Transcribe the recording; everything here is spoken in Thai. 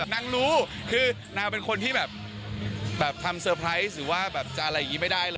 นางรู้คือนางเป็นคนที่แบบทำเซอร์ไพรส์หรือว่าแบบจะอะไรอย่างนี้ไม่ได้เลย